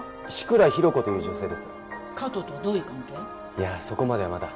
いやそこまではまだ。